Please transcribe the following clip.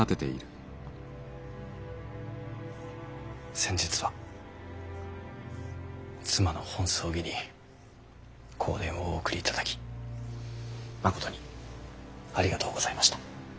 先日は妻の本葬儀に香典をお送りいただきまことにありがとうございました。